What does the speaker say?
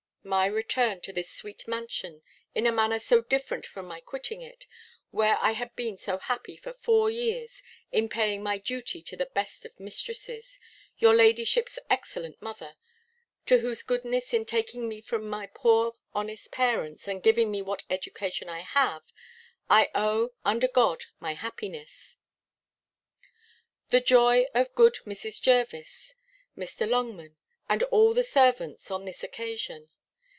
My return to this sweet mansion in a manner so different from my quitting it, where I had been so happy for four years, in paying my duty to the best of mistresses, your ladyship's excellent mother, to whose goodness, in taking me from my poor honest parents, and giving me what education I have, I owe, under God, my happiness. The joy of good Mrs. Jervis, Mr. Longman, and all the servants, on this occasion.